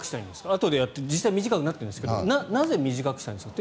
あとでやって実際に短くなってるんですがなんで短くしたいんですか？